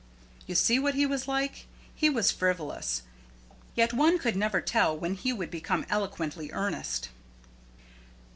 You see what he was like? He was frivolous, yet one could never tell when he would become eloquently earnest.